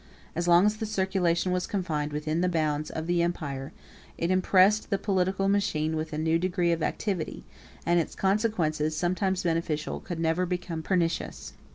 As long as the circulation was confined within the bounds of the empire, it impressed the political machine with a new degree of activity, and its consequences, sometimes beneficial, could never become pernicious.